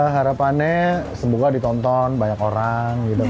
harapannya semoga ditonton banyak orang gitu kan